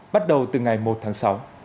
bắt đầu từ ngày một tháng sáu